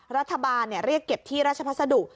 รัฐบาลเรียกเก็บที่ราชพัสดุ